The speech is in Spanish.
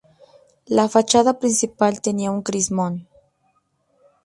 La fachada principal tenía un crismón.